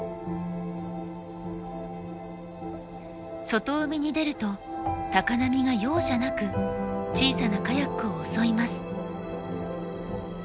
外海に出ると高波が容赦なく小さなカヤックを襲います。